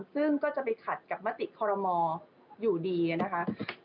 ซึ่งก็จะไปขัดกับมติคอรมออยู่ดีนะคะ